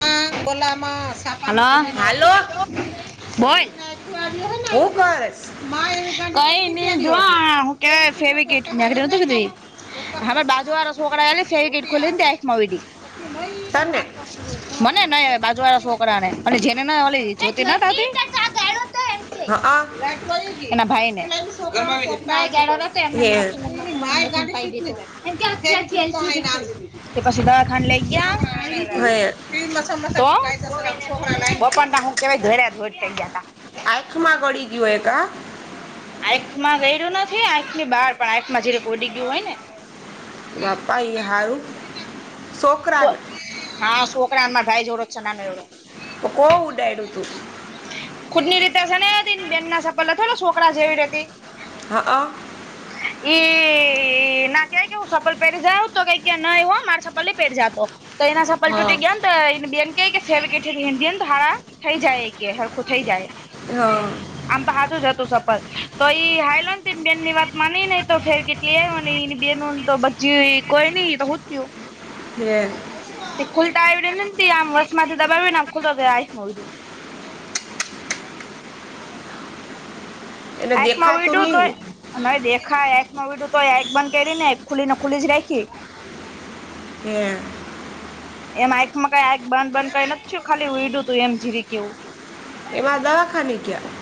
હાલો, hello બોલ. હુ કરેસ? કઇ પર જો હું કે ફેવીકેક ક. અમાર બાજુ શોકરાએ ફેવિકિક ખોલ આંખમા ઉડી. તને મને નય બાજુ વાળા શોકને જેનેલી જોતી. હઅ. એના ભાઈ ને [inaudible] હે [inaudible] [unintelligible] તે પછી દવાખાને લઈ ગયા. [inaudible] [unintelligible] [inaudible] [unintelligible] આખમાં ગડી ગયો એ કા. આંખમાં ગયેલું નથી. આંખની બહાર પણ આંખમાં જરિક ઉડી ગયું હોય ને. બાપા ઇ હારું,. તો છોકરાને હા છોકરામા ભાઈ જોવડો છે નાનો એવો. તો કો ઉડાડું તું. ખુદની રીતેને બેનના સપલ થોડા છોકરા જેવી રતી. હા. એ ના ક્યાં કે સપલ પહેરી જ આવ તો કઈ ક ના હો મારે સપલ પેટ જાતો કઈ ના સ પલ હા ટૂટેટી જ્ઞાન. બેને ક ફેવ છે. હિન્દી ધારા થઈ જાય કે હળખું થઈ જાય. હ આમ તો હજુ જ હતું સફર તો એઈ હાઈલોન બેન ની વાત માની નહ તો ફેરી કે મ એની બે ન તો બચી કોઈ નઈ તો હુંયું. [inaudible] તે ખુલતા આવીને આમ વસ માંથી દબાવી ને આમ ખુલતોફધું. એને એસમાં દેખાતું વડું તો. નહીં દેખા એક ન વિીડું તો એક બંધ કરી ને એક ખુલી ને ખુલી જ રાખી. [inaudible] [unintelligible] એમ આંખમાં કઈ આ બંધ બંધ કઈ નથી. ખાલી ઉડું તું એમ જીરીક એવું. એમાં દવાખાને ગયા?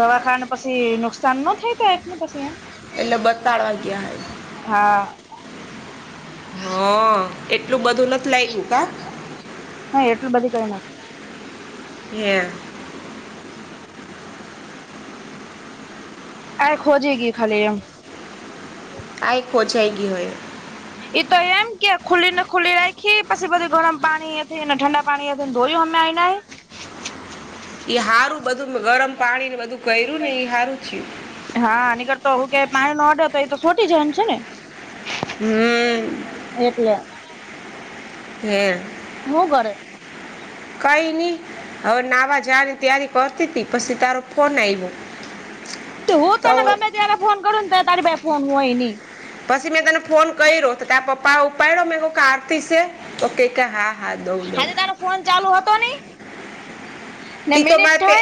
દવાખાને પછી નુકસાન ન થાય તને પછી. એટલે બતાડવા ગ્યાં. હા. હ એટલું બધું નથી લાગ્યું કા. ન એટલું બધી કરીના. એ. આ ખોજેગી ખાલી એમ. આ એક હો જાયગ હોય. એ તો એમ કે ખુલ્લી ને ખુલ્લી રાખી. પછી બધું ગરમ પાણી થઈને ઠંડા પાણીને ધોય્યું અમે આવીને. સારું બધું ગરમ પાણી ને બધું કર્યું ને હારું થયું. હા નીકળતો હું કે પાણી નો ઓર્ડર તો એ તો સોટી જમ છે ને. હમ. એટલે. હે. મું ઘર. કઈ નહી. હવે નાવા જની તારી કરતી હતી પછી તારો ફોન આવ્યો. હું ત તો ને ગમે ત્યારે ફોન કરું ને ત તારી ભાઈ ફોન હોય ન. પછી મેં તને ફોન કર્યો તારા પપ્પા ઉપડ્યો મે કોકતીસે તો હા. હા દઉં દઉં હજ તારો ફોન ચાલુ હતો નહી. ત તોરે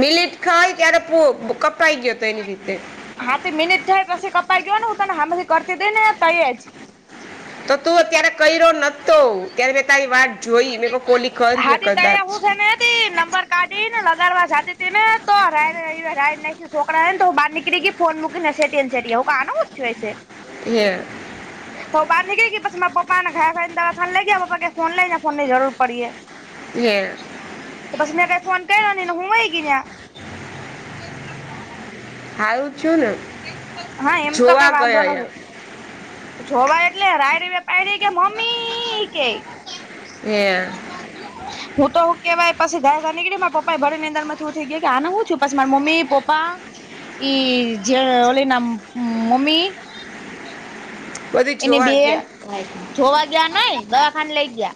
મિલિટ. ખાય ત્યારે પુ કપરાાઈ ગયો હતો એની રીતે. હા મિનિટ થાય પછી કપાઈ ગયો ને. હું તને હામાંથી કરતી દઈ ને ત જ. તો તું અત્યારે કર્યો નતો. ત્યારે મે તારી વાત જોઈ મે કોલી હા કરીય તે તૈયા કદાચ. હું છે ને નંબર કાઢી ને લગાડવા જતી ત ને તોડડ ના શોકડાને તો બાર. કેટ ફો મુકિંગ એ હું કણનો છ છે. હ. તો બાર નનીળ ગ બસ મારા પપાને ઘા દવાખાન લઈ ગયા. પપા કે ફોન લ ફોનની જરૂર પડીએ. હે તો બસ મે કઈ ફોન કર્યોની ને હું ગીને હારું થયું ને હા એમ તો કઈ જોવા વાંધો ગયો એમ. નથી જોવા એટલે રાયડી પાયડી કે મમ્મી કે એ. હું તોું કેવાય પછ ધર નીકળી મારા પપા ભળ ની અંદર નથી ઉઠઈ ગયો કે આ હું છું માર મમ્મી પપ્પા જે ઓલી નામ મમ્મી બધું એની જોવા બેન ગયા જોવા ગયા નય દવાખાાન લઈ ગયા.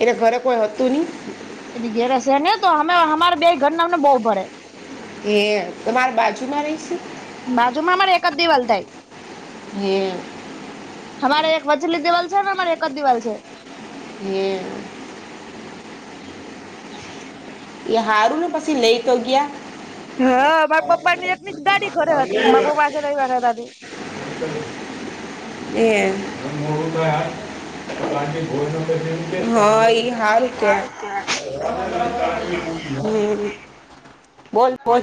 એટલે ઘરે કોઈ હતું નહી? એની ઘેર છે ને તો અમે અમારે બે ઘર ને અમને બહુ પડે. એ તમારા બાજુમાં રહીશ? બાજુમાં અમારે એક જ દીવાલ થાઈ. હ. અમારે એક વછલી દિવાલ છે ને અમારે એક જ દિવાલ છે. હમ. [unintelligible] એ હારુંનું પછી લઈ તો ગયા. હ. મારા પપ્પા ની એકની જ ગાડી ઘરે હતી. મારા પપ્પા આજે રવિવાર હતા તે. [unintelligible] એ હઈ હારુ કહેવાય. હમ બોલ બોલ.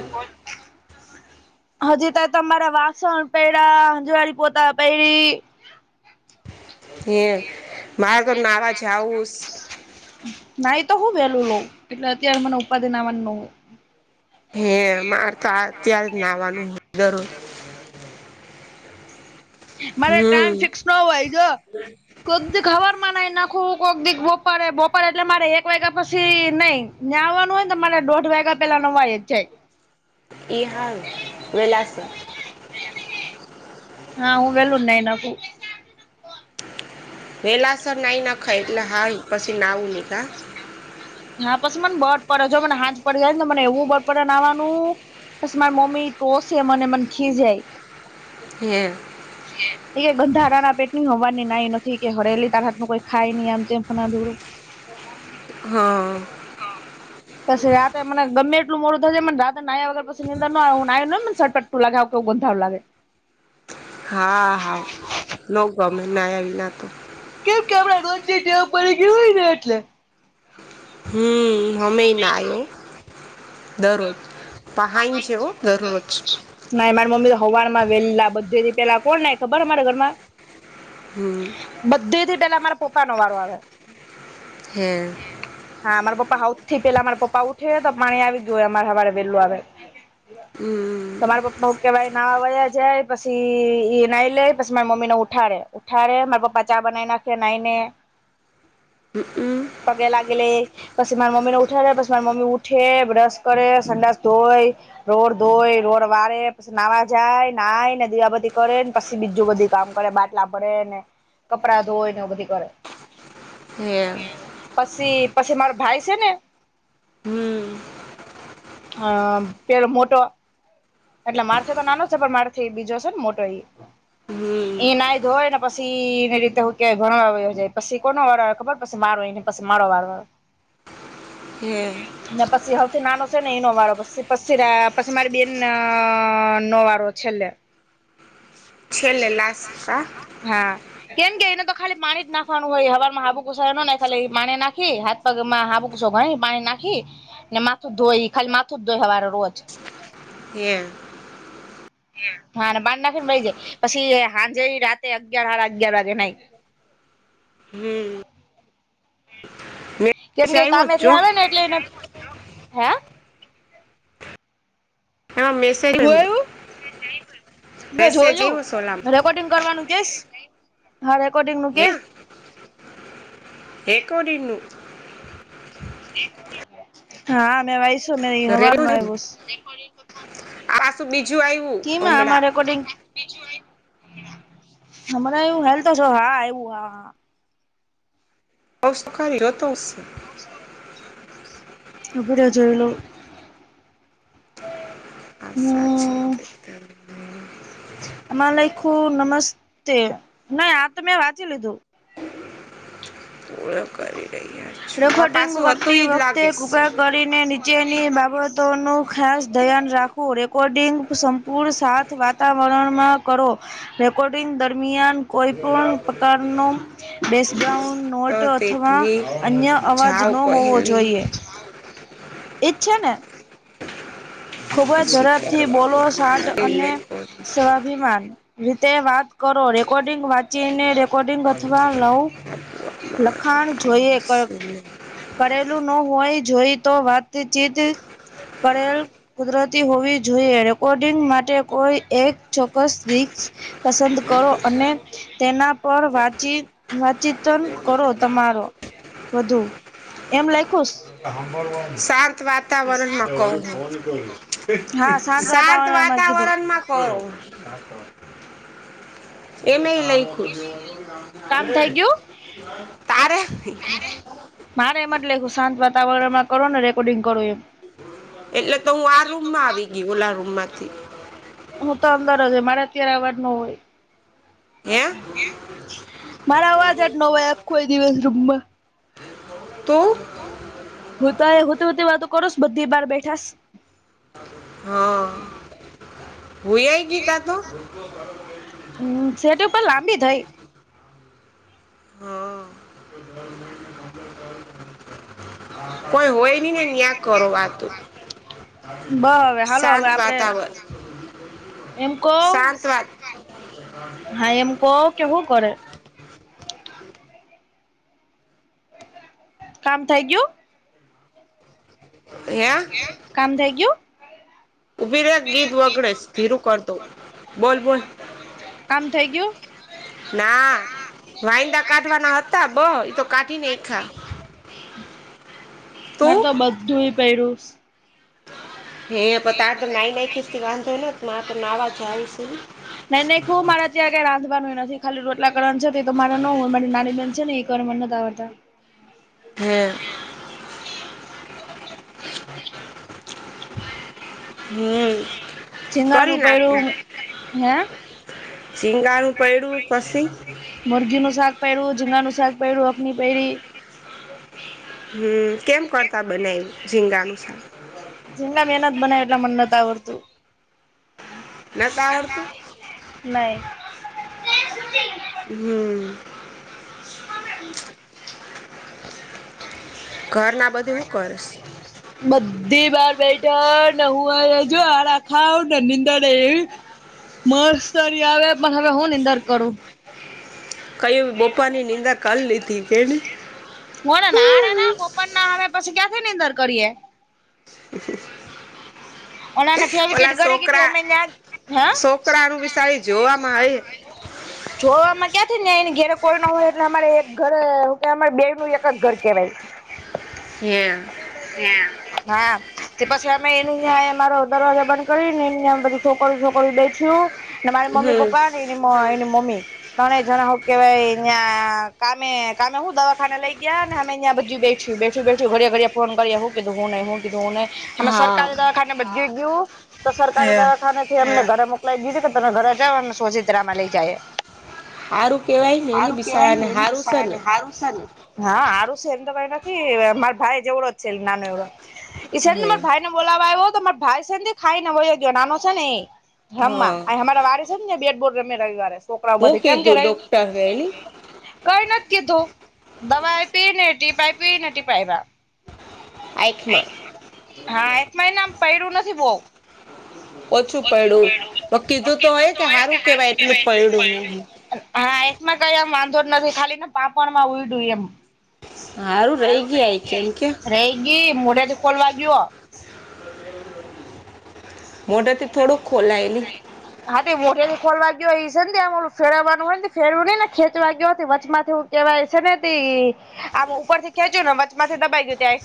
હજી તો તમારા વાસણ પે હંજવાળ પોતા પે હ મારે તો નારા જાઉું. નાઈ તો હું વેલું લઉં એટલે અત્યારે મને ઉપાધિનવાનું ન હોય. હે મારે તો આ ત્યારે જ નાવાનું હ જરૂર મારે ટાઈમ હમ ફિક્સ ન હોય જો. કોઈક દી ખબર માં નાઈ નાખવું કોઈક દી બપડે બપડ એટલે મારે એક વાગ્યા પછી નઈ. ન્યાવાનું હોયને મારે દોઢ વાગ્યા પેલા નવાય જ જાય. એ હા વેલાસ હા, હું વહેલું જ જ નાય નાખું. વેલા સરર નાહી નાખાય એટલે હારુ. પછી નાવું નીખા. હા પછી મને બફ પડ. જો મને હાંજ પડી જાય ને મને એવું બફ પડે નાવાનું. પછી માર મોમી ટોસે, મને મન ખીજાય. હે. [unintelligible] એ ગંધારાના પેટ ની હવારની નાઈ નથી. કે હરેલી તારા હાથનું કોઈ ખાય ની. ને એમ તેમ ઢરું. હા. પછી રાતે મને ગમે એટલું મોડું થઈ જાય. મને રાતે નાયા વગર પછી મને નીંદર ન આવે. હું નાય લઉ ને ઝટપટ. તો લાગે આવુ કે ગંધારુ લાગે. હા.. હા. ન ગમે નાયા વિના તો. કેમ કે આપણે રોજની ટેવ પડી ગયી હોય ને, એટલે. હમ હમે ઈ નાયો. દરરોજ. પહાઈ જેવો દરરોજ. ના. મારી મમ્મી તો હવારમાં વેલ્લા બધે રીતે લાકોને, ખબર અમારા ઘરમાં. હમ. બધે થી પેલા મારા પપ્પાનો વારો આવે. હે! હા. મારા પપ્પા હઉથી પેલા મારા પપ્પા ઉઠે તો પાણી આવી જ તોયે અમારે હવારે વેલું આવે. હમ.. તમારા પપ્પા હું કેવાય નાવાયે જાય પછી, ઈ નાઈ લે પછી મારી મમ્મીને ઉઠાડે. ઉઠાડે. મારા પપ્પા ચાઈ બનાવી નાખે નાઈને. [inaudible] હમ. ઉમ... પગે લાગીએ. પછી મારા મમ્મી ને ઉઠાડે. પછી મારી મમ્મી ઉઠે, બ્રશ કરે, સંડાસ ધોય, રોડ ધોય, રોડ વારે, નાવા જાય, નાય, ને દીવાબત્તી કરે, ને પછી બીજું બધું કામ કરે. બાટલા ભરેે ને, કપડા ધોય ને એવું બધું કરે. [unintelligible] પછી. પછી મારો ભાઈ છે ને, હમ અ, પેલો મોટો. એટલે મારથી તો નાનો છે. પણ મારથી બીજો છે ને, મોટો ઈ. હમ. એઈ ના ધોય ને પસી, એની રીતે હું કેય, ભણવા બેસી જાય. પછી કોનો વાર ખબર! પછી મારો ઈના. પછી મારે વળવાનું. હમ. ને પછી, હવથી નાનો છે ને, એનો વાળો પછી. પછી પછી મારી બેન ના. નો વારો છેલ્લે. છેલ્લે લાસ્ટ હા હા. કેમ કે, ઈને તો ખાલી પાણી જ નાખવાનું હોય. હવારમાં હાબુ ઘસવાનો ને ખાલી ઈ પાણી નાખી, હાથ પગમાં હાબુ ઘસી, પાણી નાખી, ને માથું જ ધોઈ. ઈ ખાલી માથું જ ધોઈ હવારે રોજ. હમ. હા. બાર નાખી ને વહી જાય. પછી હાનજે ઈ રાતે અગિયાર હાડા અગિયાર વાગે નાઈ. હમ. કેમ મેસેજ કે, આવ્યો જ કામે થી જો આવે ને એટલે એને. હે! એમાં મેસ. હું એયુ. મેં મેસેજ જોયું, આવ્યો સોલામ રેકોર્ડિંગ કરવાનું કેશ હા, રેકોર્ડિંગ નું હે, કે રેકોર્ડિંગ. હા, મે વાંચ્યું આ સવારનું આવ્યું છે. આ શું બીજું આવ્યું? ઈમા, આમા રેકોર્ડિંગ. હરે, એવું હેલ તો છે. હા, એવું હા હ. નસ્કાર હો તો છે. આપડે જોયેલું. હા, સાચી વાત છે. એમા લખ્યું નમસ્તે નહીં, આ તો મેં વાંચી લીધું. પૂરા કરી રહ્યા છો, આ રેકોર્ડિંગ પાછું હતું કરતી ઈજ વખતે લાગીશ. કૃપા કરીને, નીચેની બાબતોનું ખાસ ધ્યાન રાખવું. રેકોર્ડિંગ પૂર શાંત વાતાવરણમાં કરો. રેકોર્ડિંગ દરમિયાન કોઈ પણ પ્રકારનો બેસગ્રાઉન્ડ. નોટ હ, તે. અથવા અન્ય અવાજ ન હોવો જોઈએ, એજ છે ને? ખુબ જ પછી ઝડપ થી બોલો, સાટ કરવામાં અને સ્વાભિમાન રીતે વાત કરો. રેકોર્ડિંગ વાત ચીને રેકોર્ડિંગ અથવા નવ લખાણ જોઈએ. આવે પેલું ન હોય જોઈ તો, વાતચીત પડેલ. કુદરતી હોવી જોઈએ, રેકોર્ડિંગ માટે કોઈ એક ચોક્કસ રિકસ. પસંદ કરો અને તેના પર વાચી વાચીતન કરો તમારો. વધુ એમ લખ્યું. અ. શાંત વાત. રણ માં હા શાંત વાતાવરણમાં કીધું વતાવરણ માં. ફરવડ. એ મે લઈખું છ કામ થઈ ગયું તારે. મારે એમટલે હું શાંત વાતાવરણમાં કરો ને રેકોર્ડિંગ કરો એમ. એટલે તો હું આ રૂમમાં આવી ગય, ઓલ રૂમમાંથી. હું તો અંદર જ. મારે અત્યારે અવાજ ન હોય. કેમ? મારા અવાજ જ ન હોય, આખો દિવસ રૂમમાં. તો હું તો, એ હું તો વાતો કરોસો, બધી બાર બેઠા છે. હા, હોય ગીત તો. હમ, સેટ ઉપર લાંબી થઈ. હા. કોઈ હોય નહી ને ન્યાગ કરો વાતો. બ હવે હાલો હવે શાંત આપડે વાતાવરણ એમ કવ. શાંત વાત હા એમ કહો કેવું કરે. કામ થઈ ગયુ? હે? કામ થઈ ગયુ? ઊભી રે પી ગીત વગડે છે. વગરે. ધીરું કરતો બોલ બોલ કામ થઇ ગયું? ના વાયંદા કાઢવાના હતા બહ એતો કાઢીને ખા. હ. મારે તો બધું પર્યું. હે પ તાર નાઈ નાખીસ થી વાંધો ને તો નાવા જાવશું. નઈ નઈ ખું મારે ત્યા્યારે કંઈ રાંધવાનું હોય નથી. ખાલી રોટલાકણ છે તો મારે ન હોય મારી નાની બેહેન છે ને કર ક આ. હમ. હમ. કરી ઝીંગાનું નાખી પૈડું હે ઝીંગાનું પડ્યું પછી મોર્ગી નું શાક પહેર્યું. ઝીંગા નનું શાક પહેર્યું. અખની પહેરી હમ કેમ કરતા બને એ ઝીંગાનું મડા મહેનત બના એટલા મને ન આવડતું. નતા આવડતું નહી. હમ. ઘર ના બધે હું કરીશ. બધી વાર બેઠા ને હુંજ આખાને નિનીંદા રે એવી. મસ્તરી આવે પણ હવે હો નીંદર કરું. કય બપર ની નિંદા ક લીધી કેને. હ આ ના બપન ના અમે પછી ક્યાંથી ની અંદર કરીએે. ઓનાને ફેર ઓલા વિકેટ છોકરા ગડીધ્યા હ. છોકરાનું બી સારી જોવામાં આવે જોવામાંમાં ક્યાંથી ને એને ઘેરે કોઈના હોય એટલે અમારે એક ઘર કે અમારે બે નું એક જ ઘર કેવાય. હમ. હા તે પછી અમે એનું જ. મારો દરજા બંધ કરીધ છોકું છોક દે ને મારી મમ્મી હમ પપ્પા એ મા એની મમ્મી. તને જણાવ કે ભાઈ અહં કામે કામે હું દવાખાના લઈ ગયા. ને અમે અહં બધી બેઠ બેઠી બેઠી ઘિયા ઘડી ફોન કરીયા હોધુંને હો કધું ને હમે હા સરકારી દવાખાને બધું ગયું તો હે સરકારી દવાખાને. એમને ઘરે મોકલાવી દીધું કે તમે ઘરે જાવ અને શોષિત્રમાં લઈ જાય. હારું કેવાય ને એલી હારું કેવાય બિસારા ને નેલી હારું છે વિશાળને ને સારું છે ને. હા આરું છેને તો ક નથી માર ભાઈ જેવડો છે નાનો એવડો હે ર ભાઈ ને બોલાવા આવ્યો હો ભાઈ સ ખાઈને હોય ગયો નાનો છે ને ર હા અમારા વારે છે ને બેટબોલ રમે રવિવારે છોકરાઓ હું બધી કેમ કે ર કીધું ડોક્ટર એલી કઈ નથીકીધું દવા પી ને ટીપાઈ પી ટી પાઈ. આમાં. હા એક મહિના પ્યું નથી બહવ. ઓછું પડ્યું કીધું તો હોય કે સારું કેવાયું પડ્યું. હા એમાં કઈ આમ વાંધો જ નથી ખાલી ને પાપણમાં ઉઈડું એમ. હારું રહી ગયા કેમ કે રૈગી મુડથી કોલવાગ્યો મોઢરથી થોડુંક ખોલાયેલી હા તે ખોલ વાગ્યો છે આમું ફેરવાનું હોય ફેરવ નઈ ને ખેચ વાગ્યો હો વચમાંથીું. કેવાય છે ને આ ઉપર થી ખેંચ્યું ને વચમાંથી દબાઈ ગયું ત્યાં